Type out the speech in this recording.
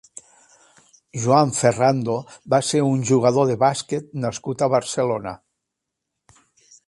Joan Ferrando va ser un jugador de bàsquet nascut a Barcelona.